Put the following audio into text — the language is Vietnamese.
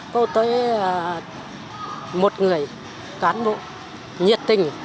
cô tuế là một người cán bộ nhiệt tình